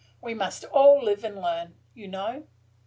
"We must all live and learn, you know."